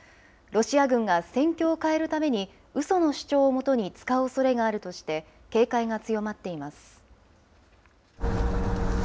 ロシア軍が戦況を変えるために、うその主張をもとに使うおそれがあるとして警戒が強まっています。